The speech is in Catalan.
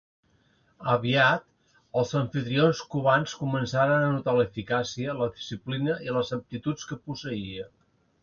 Aviat, els amfitrions cubans començaren a notar l'eficàcia, la disciplina i les aptituds que posseïa.